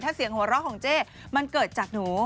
ถ้าเสียงหัวเราะของเจ๊มันเกิดจากหนู